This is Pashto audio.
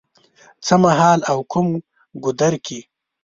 څه مهال او کوم ګودر کې